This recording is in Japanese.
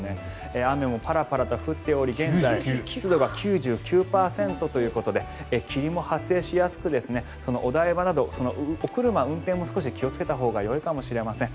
雨がパラパラと降っており現在、湿度が９９％ということで霧も発生しやすく、お台場などお車、運転も少し気をつけたほうがよいかもしれません。